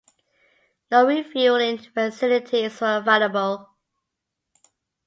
No re-fueling facilities are available.